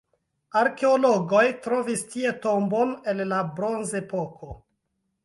Arkeologoj trovis tie tombon el la bronzepoko.